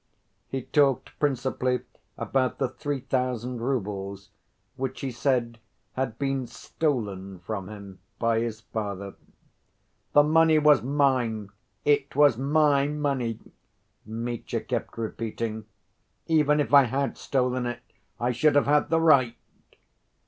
He talked principally about the three thousand roubles, which he said had been "stolen" from him by his father. "The money was mine, it was my money," Mitya kept repeating. "Even if I had stolen it, I should have had the right."